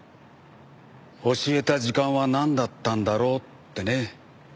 教えた時間はなんだったんだろうってね。